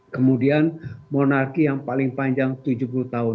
kemudian monarki yang paling panjang tujuh puluh tahun